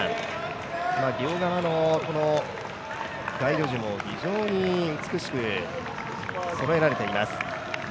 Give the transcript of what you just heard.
両側の街路樹も非常に美しくそろえられています。